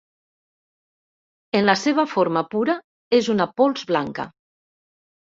En la seva forma pura és una pols blanca.